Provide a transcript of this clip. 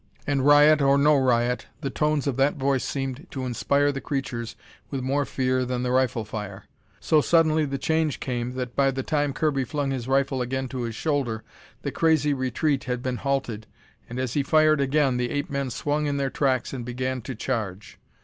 And, riot or no riot, the tones of that voice seemed to inspire the creatures with more fear than the rifle fire. So suddenly the change came, that by the time Kirby flung his rifle again to his shoulder, the crazy retreat had been halted, and as he fired again, the ape men swung in their tracks and began to charge!